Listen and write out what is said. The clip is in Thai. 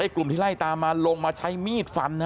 กลุ่มที่ไล่ตามมาลงมาใช้มีดฟัน